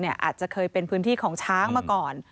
อาจจะเคยเป็นพื้นที่ของช้างมาก่อน